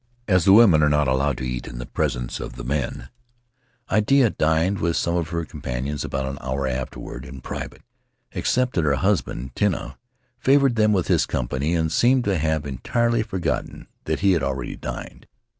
As the women are not allowed to eat in presence of the men, Iddeah dined with some of her companions about an hour afterward, in private, except that her husband, Tinah, favored them with his company and seemed to have entirely forgotten that he had already dined."